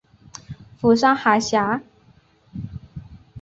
釜山海峡。